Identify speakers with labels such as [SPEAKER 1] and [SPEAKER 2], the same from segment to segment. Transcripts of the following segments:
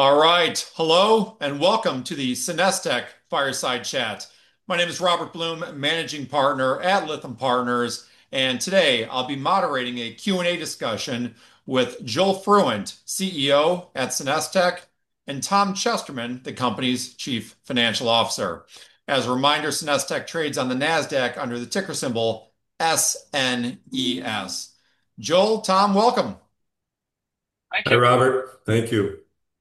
[SPEAKER 1] All right. Hello and Welcome to the SenesTech Fireside Chat. My name is Robert Blum, Managing Partner at Lytham Partners, and today I'll be moderating a Q&A discussion with Joel Fruendt, CEO at SenesTech, and Tom Chesterman, the company's Chief Financial Officer. As a reminder, SenesTech trades on the Nasdaq under the ticker symbol SNES. Joel, Tom, welcome.
[SPEAKER 2] Hi, Robert. Thank you.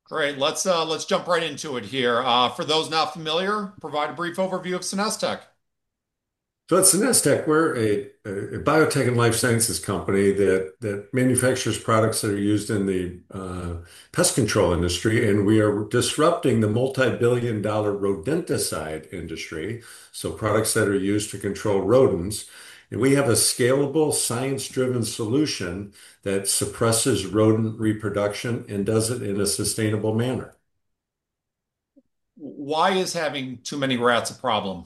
[SPEAKER 1] Great. Let's jump right into it here. For those not familiar, provide a brief overview of SenesTech.
[SPEAKER 2] At SenesTech, we're a biotech and life sciences company that manufactures products that are used in the pest control industry, and we are disrupting the multi-billion dollar rodenticide industry. Products that are used to control rodents, and we have a scalable, science-driven solution that suppresses rodent reproduction and does it in a sustainable manner.
[SPEAKER 1] Why is having too many rats a problem?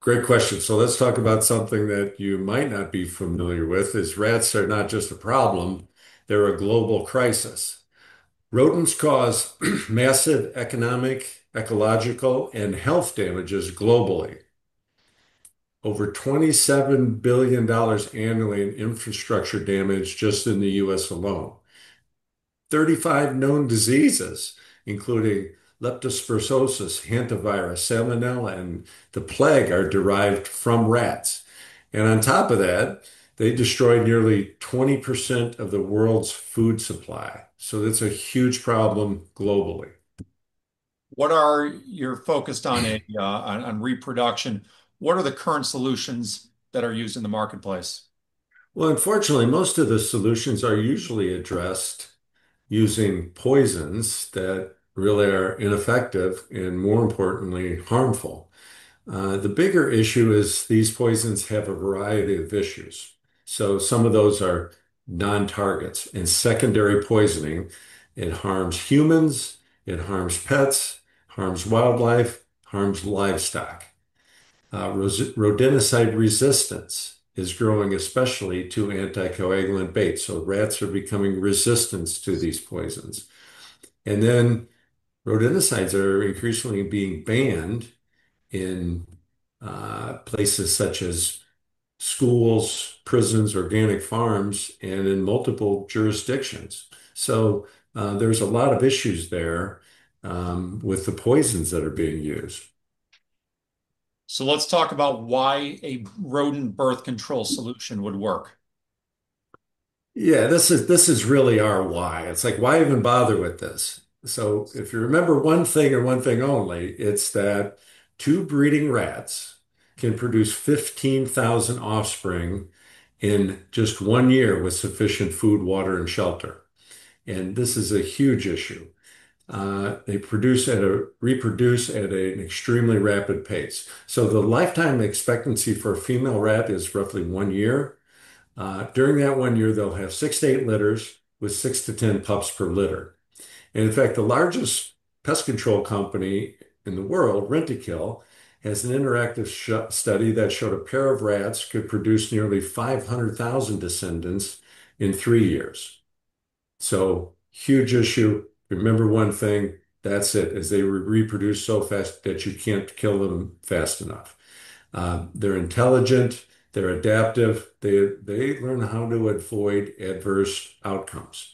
[SPEAKER 2] Great question. Let's talk about something that you might not be familiar with, is rats are not just a problem. They're a global crisis. Rodents cause massive economic, ecological, and health damages globally. Over $27 billion annually in infrastructure damage just in the U.S. alone. 35 known diseases, including leptospirosis, hantavirus, salmonella, and the plague, are derived from rats. On top of that, they destroy nearly 20% of the world's food supply. That's a huge problem globally.
[SPEAKER 1] What are you focused on, reproduction? What are the current solutions that are used in the marketplace?
[SPEAKER 2] Most of the solutions are usually addressed using poisons that really are ineffective and, more importantly, harmful. The bigger issue is these poisons have a variety of issues. Some of those are non-targets and secondary poisoning. It harms humans, it harms pets, it harms wildlife, it harms livestock. Rodenticide resistance is growing, especially to anticoagulant baits. Rats are becoming resistant to these poisons. Rodenticides are increasingly being banned in places such as schools, prisons, organic farms, and in multiple jurisdictions. There are a lot of issues there with the poisons that are being used.
[SPEAKER 1] Let's talk about why a rodent birth control solution would work.
[SPEAKER 2] Yeah, this is really our why. It's like, why even bother with this? If you remember one thing and one thing only, it's that two breeding rats can produce 15,000 offspring in just one year with sufficient food, water, and shelter. This is a huge issue. They produce and reproduce at an extremely rapid pace. The lifetime expectancy for a female rat is roughly one year. During that one year, they'll have six to eight litters with six to ten pups per litter. In fact, the largest pest control company in the world, Rentokil, has an interactive study that showed a pair of rats could produce nearly 500,000 descendants in three years. Huge issue. Remember one thing, that's it, is they reproduce so fast that you can't kill them fast enough. They're intelligent, they're adaptive, they learn how to avoid adverse outcomes.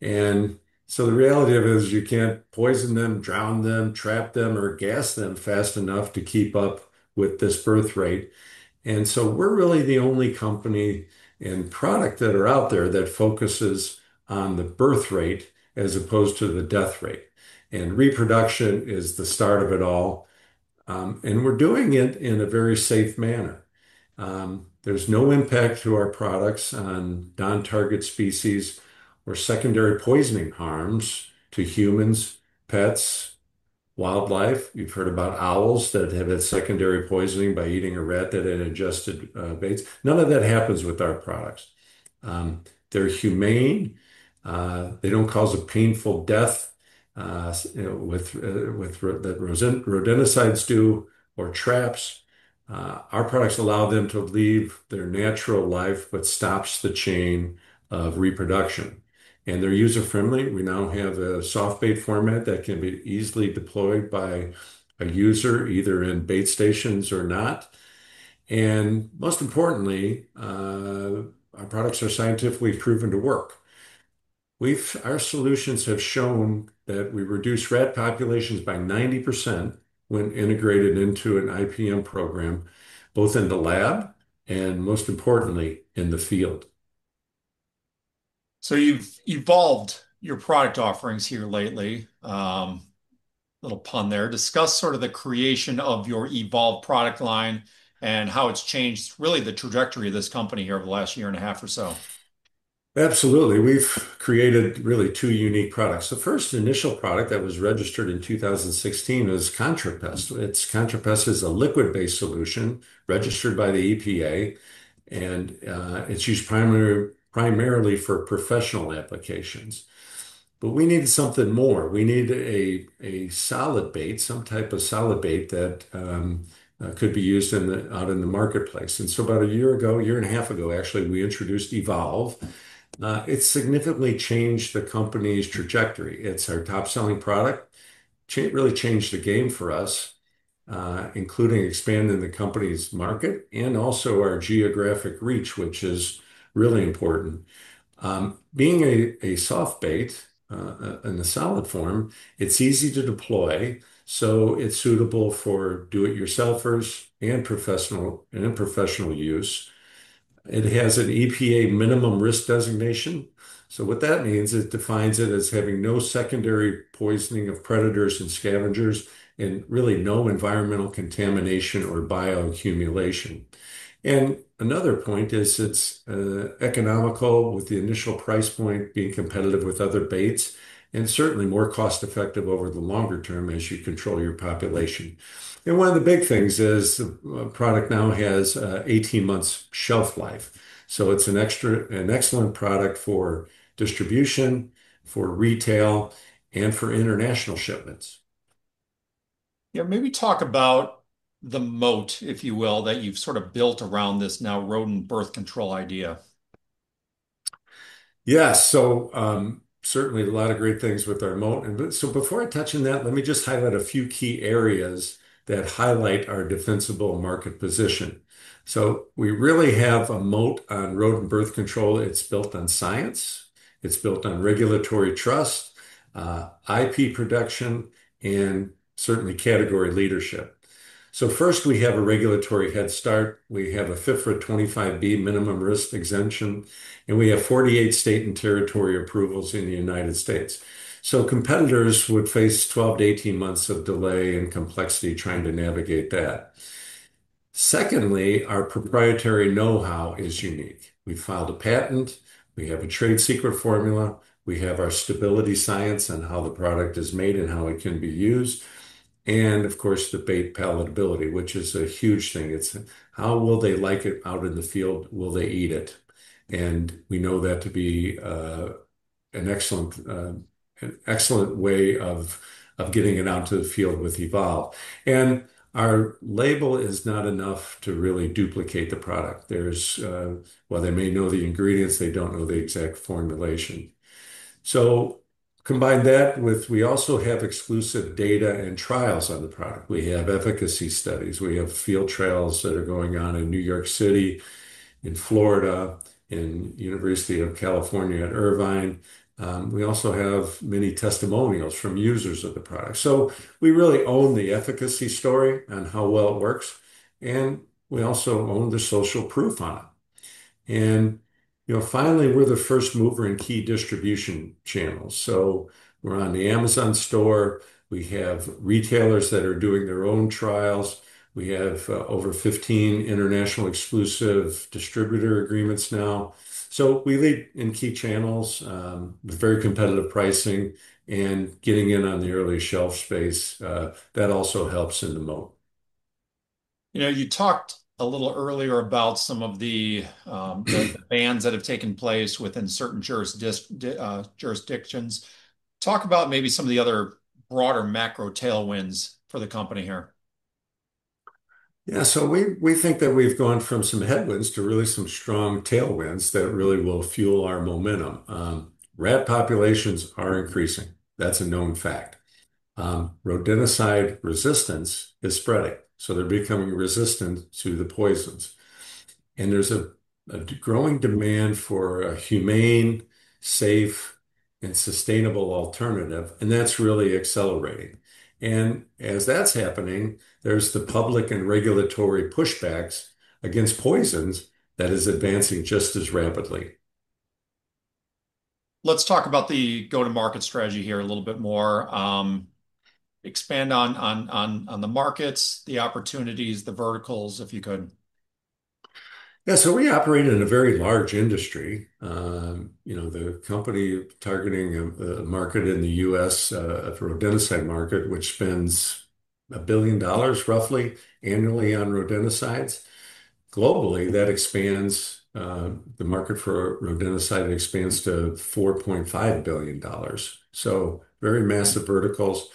[SPEAKER 2] The reality of it is you can't poison them, drown them, trap them, or gas them fast enough to keep up with this birth rate. We're really the only company and product that are out there that focuses on the birth rate as opposed to the death rate. Reproduction is the start of it all. We're doing it in a very safe manner. There's no impact to our products on non-target species or secondary poisoning harms to humans, pets, wildlife. You've heard about owls that have had secondary poisoning by eating a rat that had ingested baits. None of that happens with our products. They're humane. They don't cause a painful death with rodenticides or traps. Our products allow them to live their natural life, which stops the chain of reproduction. They're user-friendly. We now have a soft bait format that can be easily deployed by a user, either in bait stations or not. Most importantly, our products are scientifically proven to work. Our solutions have shown that we reduce rat populations by 90% when integrated into an IPM program, both in the lab and most importantly, in the field.
[SPEAKER 1] You've evolved your product offerings here lately. A little pun there. Discuss sort of the creation of your Evolve product line and how it's changed really the trajectory of this company here over the last year and a half or so.
[SPEAKER 2] Absolutely. We've created really two unique products. The first initial product that was registered in 2016 was ContraPest. ContraPest is a liquid-based solution registered by the EPA, and it's used primarily for professional applications. We needed something more. We needed a solid bait, some type of solid bait that could be used out in the marketplace. About a year ago, a year and a half ago, actually, we introduced Evolve. It significantly changed the company's trajectory. It's our top selling product. It really changed the game for us, including expanding the company's market and also our geographic reach, which is really important. Being a soft bait in the solid form, it's easy to deploy, so it's suitable for do-it-yourselfers and professional use. It has an EPA minimum risk designation. What that means is it defines it as having no secondary poisoning of predators and scavengers and really no environmental contamination or bioaccumulation. Another point is it's economical with the initial price point being competitive with other baits and certainly more cost-effective over the longer term as you control your population. One of the big things is the product now has 18 months shelf life. It's an excellent product for distribution, for retail, and for international shipments.
[SPEAKER 1] Yeah, maybe talk about the moat, if you will, that you've sort of built around this now rodent birth control idea.
[SPEAKER 2] Yeah, certainly a lot of great things with our moat. Before I touch on that, let me just highlight a few key areas that highlight our defensible market position. We really have a moat on rodent birth control. It's built on science, regulatory trust, IP protection, and certainly category leadership. First, we have a regulatory head start. We have a FIFRA 25(b) minimum risk exemption, and we have 48 state and territory approvals in the U.S. Competitors would face 12 to 18 months of delay and complexity trying to navigate that. Secondly, our proprietary know-how is unique. We filed a patent, we have a trade secret formula, and we have our stability science on how the product is made and how it can be used. Of course, the bait palatability is a huge thing. It's how will they like it out in the field, will they eat it, and we know that to be an excellent way of getting it out into the field with Evolve. Our label is not enough to really duplicate the product. While they may know the ingredients, they don't know the exact formulation. Combine that with exclusive data and trials on the product. We have efficacy studies, we have field trials that are going on in New York City, in Florida, and the University of California at Irvine. We also have many testimonials from users of the product. We really own the efficacy story on how well it works, and we also own the social proof on it. Finally, we're the first mover in key distribution channels. We're on the Amazon store, we have retailers that are doing their own trials, and we have over 15 international exclusive distributor agreements now. We lead in key channels with very competitive pricing and getting in on the early shelf space. That also helps in the moat.
[SPEAKER 1] You know, you talked a little earlier about some of the bans that have taken place within certain jurisdictions. Talk about maybe some of the other broader macro tailwinds for the company here.
[SPEAKER 2] Yeah, we think that we've gone from some headwinds to really some strong tailwinds that really will fuel our momentum. Rat populations are increasing. That's a known fact. Rodenticide resistance is spreading, so they're becoming resistant to the poisons. There's a growing demand for a humane, safe, and sustainable alternative, and that's really accelerating. As that's happening, there's the public and regulatory pushbacks against poisons that are advancing just as rapidly.
[SPEAKER 1] Let's talk about the go-to-market strategy here a little bit more. Expand on the markets, the opportunities, the verticals, if you could.
[SPEAKER 2] Yeah, so we operate in a very large industry. You know, the company targeting a market in the U.S., a rodenticide market, which spends $1 billion roughly annually on rodenticides. Globally, that expands the market for rodenticide. It expands to $4.5 billion. Very massive verticals.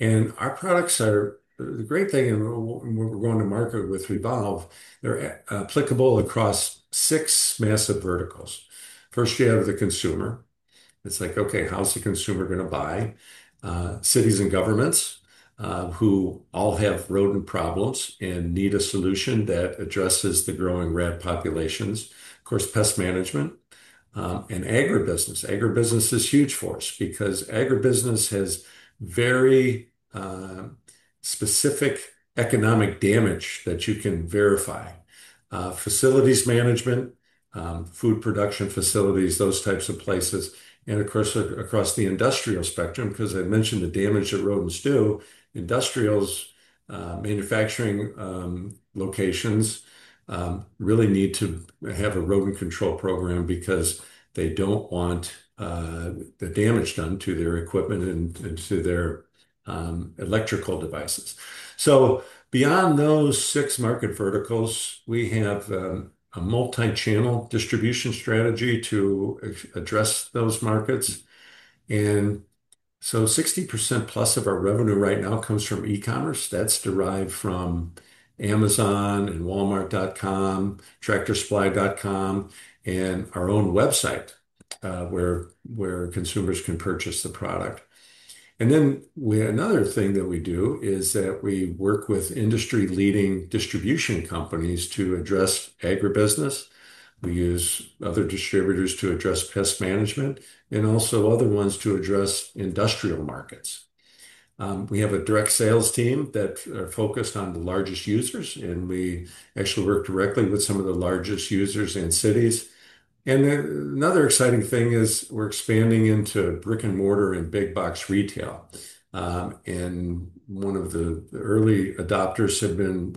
[SPEAKER 2] Our products are the great thing when we're going to market with Evolve. They're applicable across six massive verticals. First, you have the consumer. It's like, OK, how's the consumer going to buy? Cities and governments who all have rodent problems and need a solution that addresses the growing rat populations. Of course, pest management and agribusiness. Agribusiness is huge for us because agribusiness has very specific economic damage that you can verify. Facilities management, food production facilities, those types of places, and of course, across the industrial spectrum, because I mentioned the damage that rodents do. Industrials, manufacturing locations really need to have a rodent control program because they don't want the damage done to their equipment and to their electrical devices. Beyond those six market verticals, we have a multi-channel distribution strategy to address those markets. 60%+ of our revenue right now comes from e-commerce. That's derived from Amazon and Walmart.com, tractorsupply.com, and our own website where consumers can purchase the product. Another thing that we do is that we work with industry-leading distribution companies to address agribusiness. We use other distributors to address pest management and also other ones to address industrial markets. We have a direct sales team that are focused on the largest users, and we actually work directly with some of the largest users in cities. Another exciting thing is we're expanding into brick-and-mortar and big box retail. One of the early adopters have been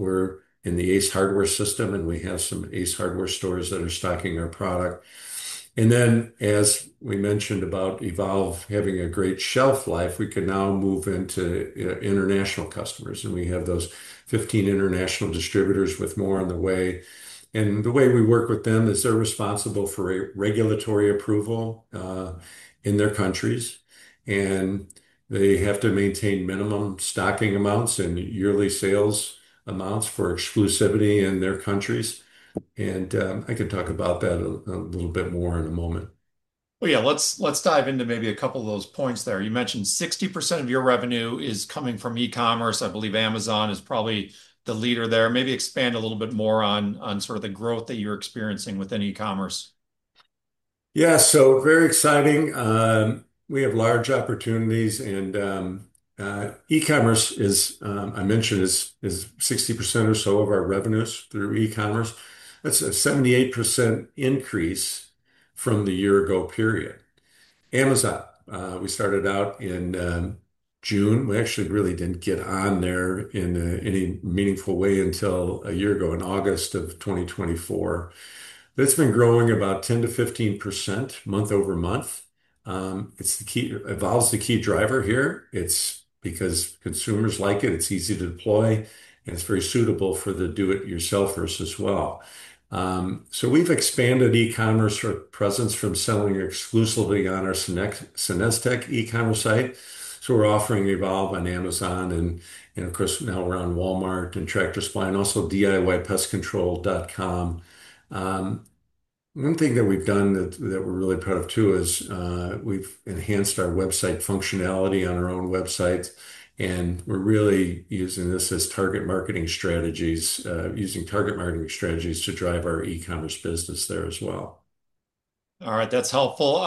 [SPEAKER 2] in the Ace Hardware system, and we have some Ace Hardware stores that are stocking our product. As we mentioned about Evolve having a great shelf life, we can now move into international customers. We have those 15 international distributors with more on the way. The way we work with them is they're responsible for regulatory approval in their countries, and they have to maintain minimum stocking amounts and yearly sales amounts for exclusivity in their countries. I can talk about that a little bit more in a moment.
[SPEAKER 1] Let's dive into maybe a couple of those points there. You mentioned 60% of your revenue is coming from e-commerce. I believe Amazon is probably the leader there. Maybe expand a little bit more on sort of the growth that you're experiencing within e-commerce.
[SPEAKER 2] Yeah, very exciting. We have large opportunities, and e-commerce, as I mentioned, is 60% or so of our revenues through e-commerce. That's a 78% increase from the year-ago period. Amazon, we started out in June. We actually really didn't get on there in any meaningful way until a year ago, in August of 2024. It's been growing about 10%-15% month-over-month. Evolve is the key driver here. It's because consumers like it. It's easy to deploy, and it's very suitable for the do-it-yourselfers as well. We've expanded e-commerce presence from selling exclusively on our SenesTech e-commerce site. We're offering Evolve on Amazon, and of course, now we're on Walmart.com and tractorsupply.com and also diypestcontrol.com. One thing that we've done that we're really proud of, too, is we've enhanced our website functionality on our own websites, and we're really using this as target marketing strategies, using target marketing strategies to drive our e-commerce business there as well.
[SPEAKER 1] All right, that's helpful.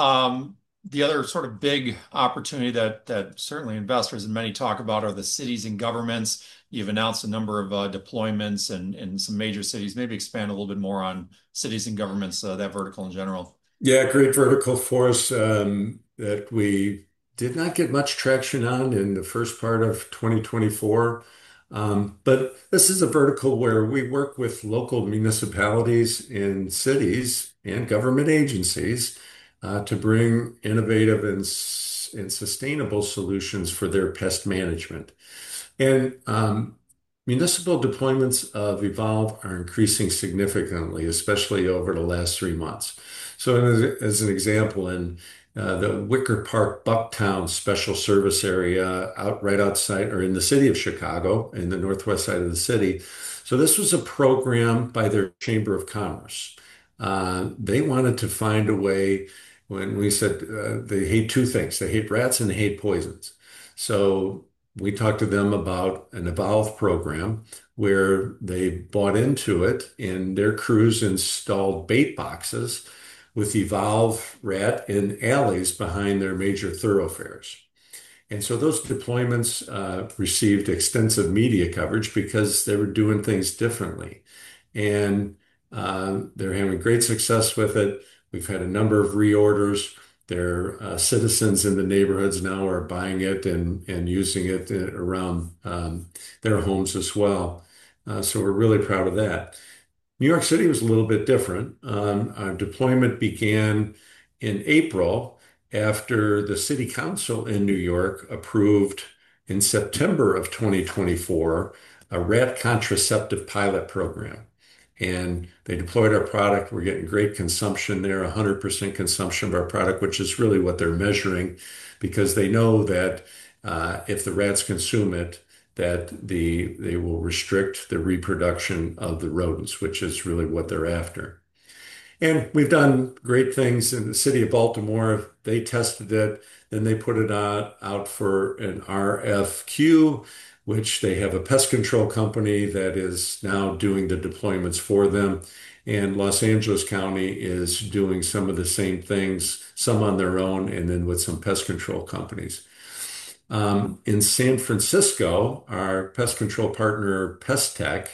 [SPEAKER 1] The other sort of big opportunity that certainly investors and many talk about are the cities and governments. You've announced a number of deployments in some major cities. Maybe expand a little bit more on cities and governments, that vertical in general.
[SPEAKER 2] Yeah, great vertical for us that we did not get much traction on in the first part of 2024. This is a vertical where we work with local municipalities and cities and government agencies to bring innovative and sustainable solutions for their pest management. Municipal deployments of Evolve are increasing significantly, especially over the last three months. For example, in the Wicker Park Bucktown Special Service area, right outside or in the city of Chicago, in the northwest side of the city, this was a program by their Chamber of Commerce. They wanted to find a way when we said they hate two things. They hate rats and they hate poisons. We talked to them about an Evolve program where they bought into it, and their crews installed bait boxes with Evolve Rat in the alleys behind their major thoroughfares. Those deployments received extensive media coverage because they were doing things differently, and they're having great success with it. We've had a number of reorders. Their citizens in the neighborhoods now are buying it and using it around their homes as well. We're really proud of that. New York City was a little bit different. Our deployment began in April after the City Council in New York approved in September of 2024 a rat contraceptive pilot program, and they deployed our product. We're getting great consumption there, 100% consumption of our product, which is really what they're measuring because they know that if the rats consume it, they will restrict the reproduction of the rodents, which is really what they're after. We've done great things in the city of Baltimore. They tested it, and they put it out for an RFQ, which they have a pest control company that is now doing the deployments for them. Los Angeles County is doing some of the same things, some on their own and then with some pest control companies. In San Francisco, our pest control partner, Pestec,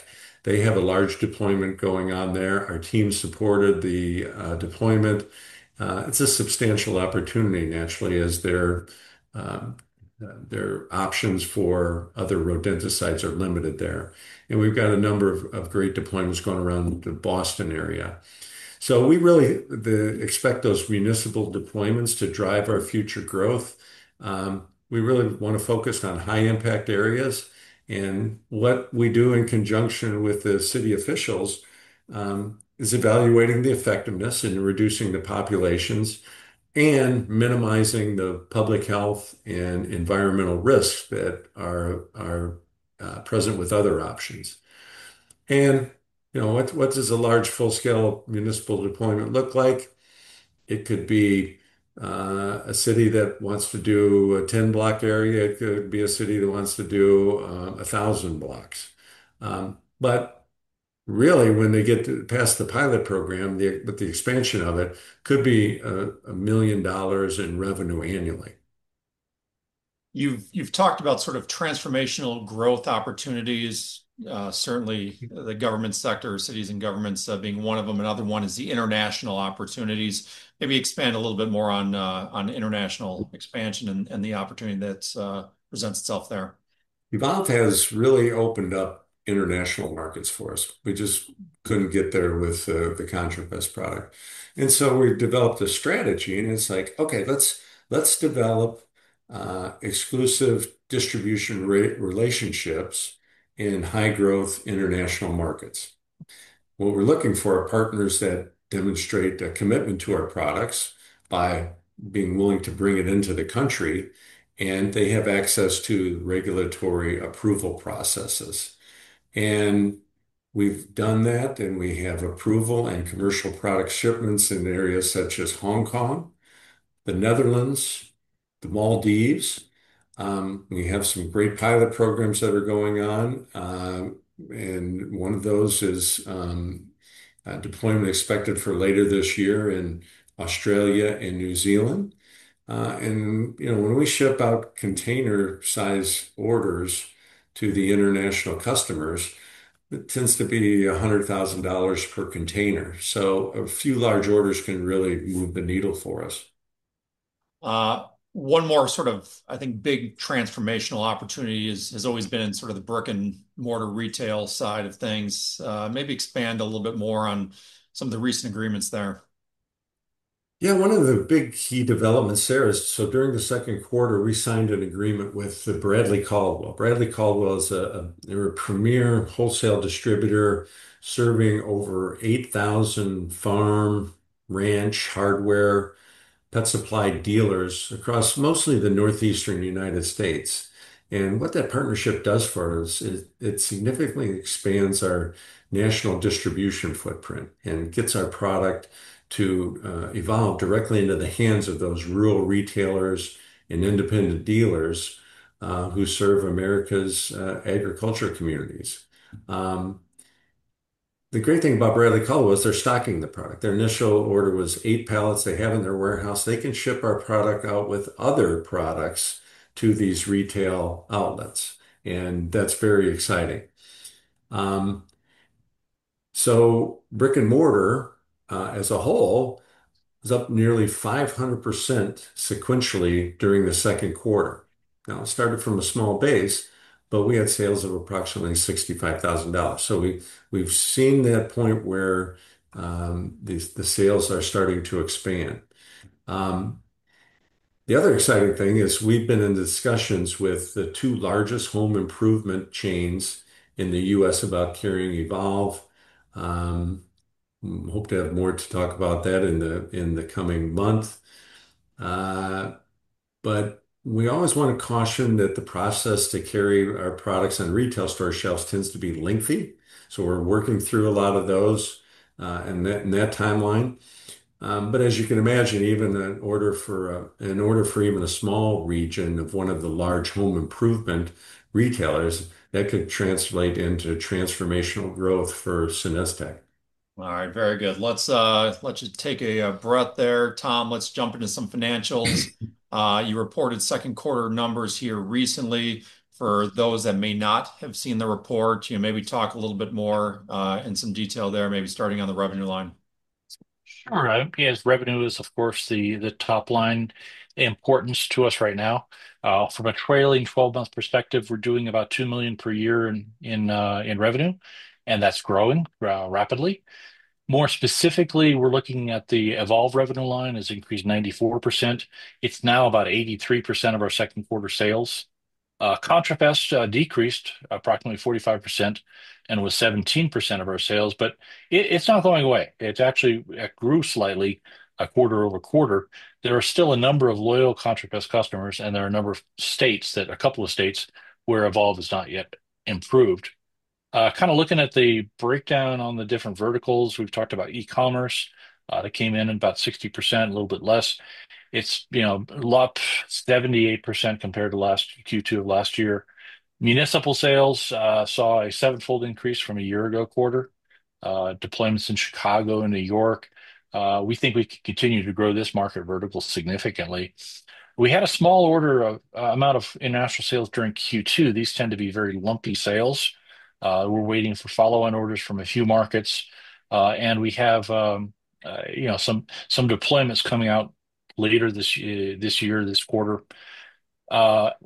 [SPEAKER 2] has a large deployment going on there. Our team supported the deployment. It's a substantial opportunity, naturally, as their options for other rodenticides are limited there. We've got a number of great deployments going around the Boston area. We really expect those municipal deployments to drive our future growth. We really want to focus on high-impact areas. What we do in conjunction with the city officials is evaluating the effectiveness and reducing the populations and minimizing the public health and environmental risks that are present with other options. What does a large full-scale municipal deployment look like? It could be a city that wants to do a 10-block area. It could be a city that wants to do 1,000 blocks. When they get past the pilot program, with the expansion of it, it could be $1 million in revenue annually.
[SPEAKER 1] You've talked about sort of transformational growth opportunities, certainly the government sector, cities and governments being one of them. Another one is the international opportunities. Maybe expand a little bit more on international expansion and the opportunity that presents itself there.
[SPEAKER 2] Evolve has really opened up international markets for us. We just couldn't get there with the ContraPest product. We developed a strategy, and it's like, OK, let's develop exclusive distribution relationships in high-growth international markets. What we're looking for are partners that demonstrate a commitment to our products by being willing to bring it into the country, and they have access to regulatory approval processes. We've done that, and we have approval and commercial product shipments in areas such as Hong Kong, the Netherlands, and the Maldives. We have some great pilot programs that are going on, and one of those is a deployment expected for later this year in Australia and New Zealand. When we ship out container-sized orders to the international customers, it tends to be $100,000 per container. A few large orders can really move the needle for us.
[SPEAKER 1] One more, I think, big transformational opportunity has always been the brick-and-mortar retail side of things. Maybe expand a little bit more on some of the recent agreements there.
[SPEAKER 2] Yeah, one of the big key developments there is, during the second quarter, we signed an agreement with Bradley Caldwell. Bradley Caldwell is a premier wholesale distributor serving over 8,000 farm, ranch, hardware, and pet supply dealers across mostly the northeastern U.S. What that partnership does for us is it significantly expands our national distribution footprint and gets our product Evolve directly into the hands of those rural retailers and independent dealers who serve America's agricultural communities. The great thing about Bradley Caldwell is they're stocking the product. Their initial order was eight pallets they have in their warehouse. They can ship our product out with other products to these retail outlets, and that's very exciting. Brick-and-mortar as a whole is up nearly 500% sequentially during the second quarter. It started from a small base, but we had sales of approximately $65,000. We've seen that point where the sales are starting to expand. The other exciting thing is we've been in discussions with the two largest home improvement chains in the U.S. about carrying Evolve. I hope to have more to talk about that in the coming month. We always want to caution that the process to carry our products on retail store shelves tends to be lengthy. We're working through a lot of those in that timeline. As you can imagine, even an order for a small region of one of the large home improvement retailers could translate into transformational growth for SenesTech.
[SPEAKER 1] All right, very good. Let's let you take a breath there. Tom, let's jump into some financials. You reported second quarter numbers here recently. For those that may not have seen the report, you maybe talk a little bit more in some detail there, maybe starting on the revenue line.
[SPEAKER 3] Sure. Right. Right. Revenue is, of course, the top line importance to us right now. From a trailing 12-month perspective, we're doing about $2 million per year in revenue, and that's growing rapidly. More specifically, we're looking at the Evolve revenue line has increased 94%. It's now about 83% of our second quarter sales. ContraPest decreased approximately 45% and was 17% of our sales. It's not going away. It actually grew slightly quarter over quarter. There are still a number of loyal ContraPest customers, and there are a number of states, a couple of states, where Evolve has not yet improved. Kind of looking at the breakdown on the different verticals, we've talked about e-commerce that came in about 60%, a little bit less. It's up 78% compared to last Q2 of last year. Municipal sales saw a seven-fold increase from a year-ago quarter. Deployments in Chicago and New York City. We think we can continue to grow this market vertical significantly. We had a small order amount of international sales during Q2. These tend to be very lumpy sales. We're waiting for follow-on orders from a few markets. We have some deployments coming out later this year, this quarter.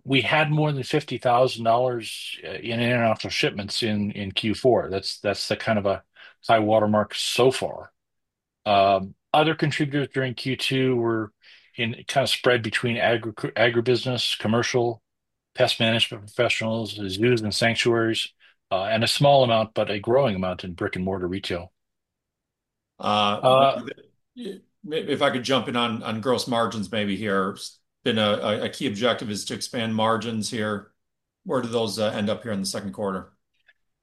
[SPEAKER 3] We had more than $50,000 in in-and-out shipments in Q4. That's the kind of a high watermark so far. Other contributors during Q2 were kind of spread between agribusiness, commercial pest management professionals, zoos and sanctuaries, and a small amount, but a growing amount in brick-and-mortar retail.
[SPEAKER 1] If I could jump in on gross margins here, it's been a key objective to expand margins here. Where do those end up in the second quarter?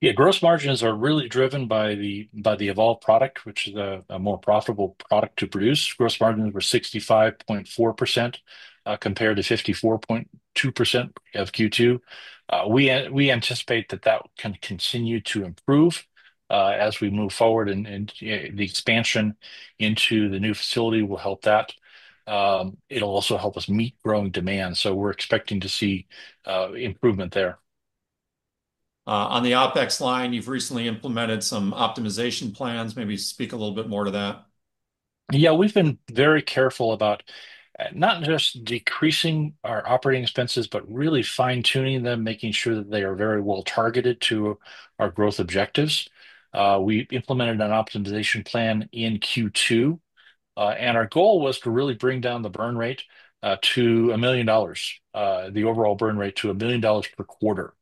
[SPEAKER 3] Yeah, gross margins are really driven by the Evolve product, which is a more profitable product to produce. Gross margins were 65.4% compared to 54.2% in Q2. We anticipate that that can continue to improve as we move forward, and the expansion into the new facility will help that. It'll also help us meet growing demand. We are expecting to see improvement there.
[SPEAKER 1] On the OpEx line, you've recently implemented some optimization plans. Maybe speak a little bit more to that.
[SPEAKER 3] Yeah, we've been very careful about not just decreasing our operating expenses, but really fine-tuning them, making sure that they are very well targeted to our growth objectives. We implemented an optimization plan in Q2. Our goal was to really bring down the burn rate to $1 million, the overall burn rate to $1 million per quarter.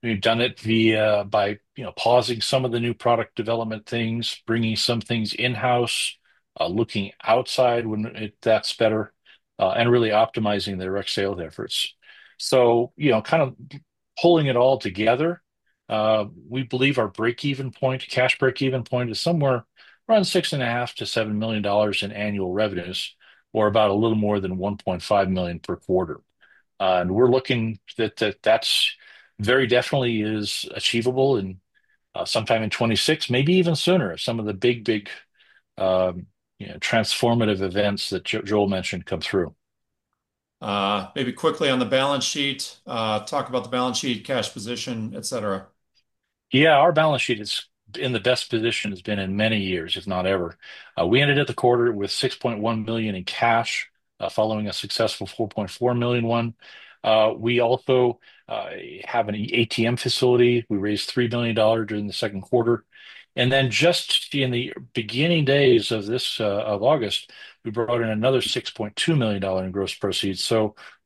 [SPEAKER 3] We've done it by pausing some of the new product development things, bringing some things in-house, looking outside when that's better, and really optimizing the direct sales efforts. Kind of pulling it all together, we believe our break-even point, cash break-even point, is somewhere around $6.5 milion-$7 million in annual revenues, or about a little more than $1.5 million per quarter. We're looking that that very definitely is achievable sometime in 2026, maybe even sooner if some of the big, big transformative events that Joel mentioned come through.
[SPEAKER 1] Maybe quickly on the balance sheet, talk about the balance sheet, cash position, et cetera.
[SPEAKER 3] Yeah, our balance sheet is in the best position it's been in many years, if not ever. We ended the quarter with $6.1 million in cash, following a successful $4.4 million one. We also have an ATM facility. We raised $3 million during the second quarter. In the beginning days of August, we brought in another $6.2 million in gross proceeds.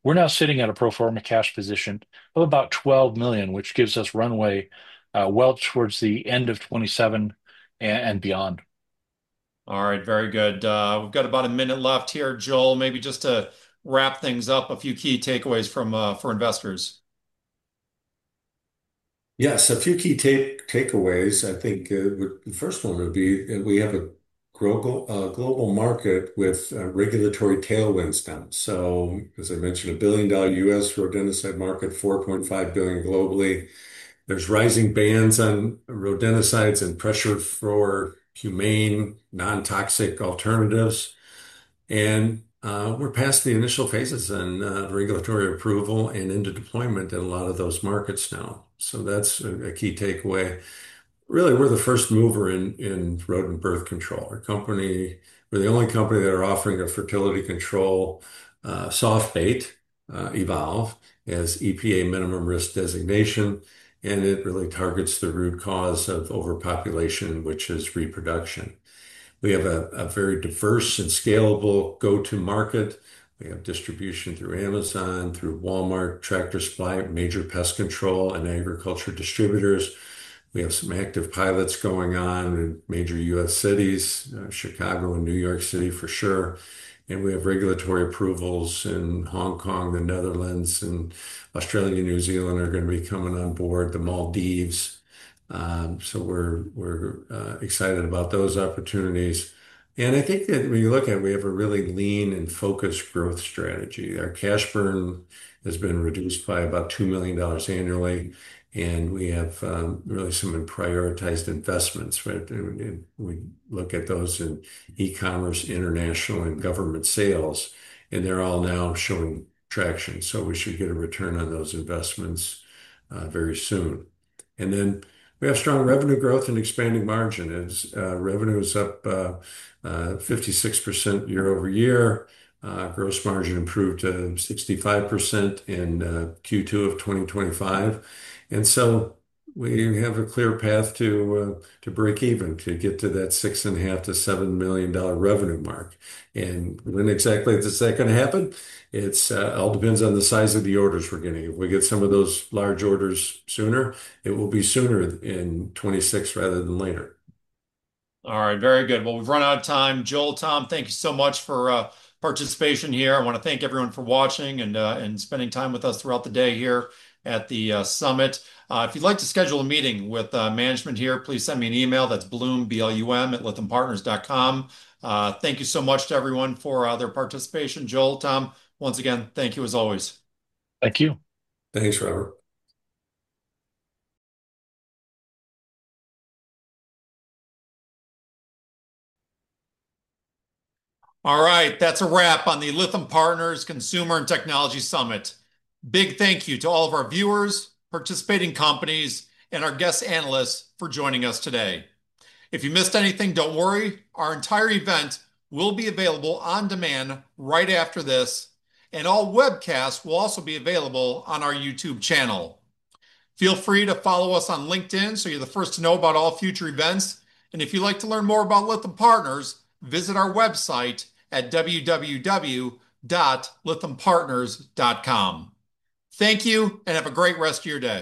[SPEAKER 3] We're now sitting at a pro forma cash position of about $12 million, which gives us runway well towards the end of 2027 and beyond.
[SPEAKER 1] All right, very good. We've got about a minute left here. Joel, maybe just to wrap things up, a few key takeaways for investors.
[SPEAKER 2] Yeah, so a few key takeaways. I think the first one would be we have a global market with regulatory tailwinds. As I mentioned, a billion-dollar U.S. rodenticide market, $4.5 billion globally. There's rising bans on rodenticides and pressure for humane, non-toxic alternatives. We're past the initial phases of regulatory approval and into deployment in a lot of those markets now. That's a key takeaway. Really, we're the first mover in rodent birth control. We're the only company that is offering a fertility control soft bait, Evolve, as EPA minimum risk designation. It really targets the root cause of overpopulation, which is reproduction. We have a very diverse and scalable go-to-market. We have distribution through Amazon, through Walmart.com, TractorSupply.com, major pest control, and agriculture distributors. We have some active pilots going on in major U.S. cities, Chicago and New York City for sure. We have regulatory approvals in Hong Kong, the Netherlands, and Australia. New Zealand is going to be coming on board, the Maldives. We're excited about those opportunities. I think that when you look at it, we have a really lean and focused growth strategy. Our cash burn has been reduced by about $2 million annually. We have really some prioritized investments. We look at those in e-commerce, international, and government sales. They're all now showing traction. We should get a return on those investments very soon. We have strong revenue growth and expanding margin. Revenue is up 56% year-over-year. Gross margin improved to 65% in Q2 of 2025. We have a clear path to break even, to get to that $6.5 million-$7 million revenue mark. When exactly is that going to happen? It all depends on the size of the orders we're getting. If we get some of those large orders sooner, it will be sooner in 2026 rather than later.
[SPEAKER 1] All right, very good. We've run out of time. Joel, Tom, thank you so much for participation here. I want to thank everyone for watching and spending time with us throughout the day here at the summit. If you'd like to schedule a meeting with management here, please send me an email. That's blum@lythampartners.com. Thank you so much to everyone for their participation. Joel, Tom, once again, thank you as always.
[SPEAKER 3] Thank you.
[SPEAKER 2] Thanks, Robert.
[SPEAKER 1] All right, that's a wrap on the Lytham Partners Consumer and Technology Summit. Big thank you to all of our viewers, participating companies, and our guest analysts for joining us today. If you missed anything, don't worry. Our entire event will be available on demand right after this, and all webcasts will also be available on our YouTube channel. Feel free to follow us on LinkedIn, so you're the first to know about all future events. If you'd like to learn more about Lytham Partners, visit our website at www.lythampartners.com. Thank you and have a great rest of your day.